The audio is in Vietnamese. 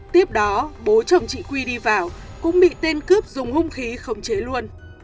tiếp đó bố chồng chị quy đi vào cũng bị tên cướp dùng hung khí khống chế luôn